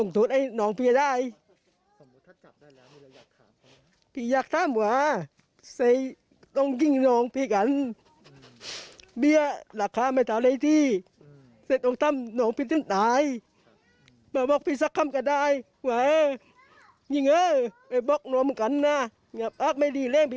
ต้องทำหล่อทำผีตั้งใดก็บอกพี่สักคำกันได้